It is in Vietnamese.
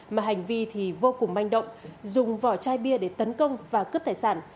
mà hành vi thì vô cùng manh động dùng vỏ chai bia để tấn công và cướp tài sản